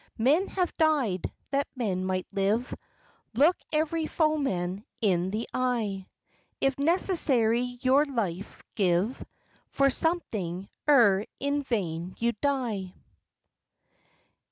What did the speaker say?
Men have died that men might live: Look every foeman in the eye! If necessary, your life give For something, ere in vain you die.